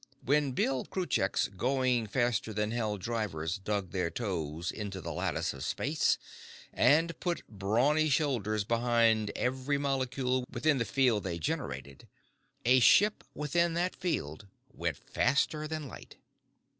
When Bill Krucheck's going faster than hell drivers dug their toes into the lattice of space and put brawny shoulders behind every molecule within the field they generated, a ship within that field went faster than light.